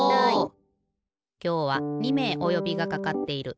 きょうは２めいおよびがかかっている。